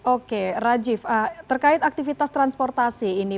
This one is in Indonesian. oke rajif terkait aktivitas transportasi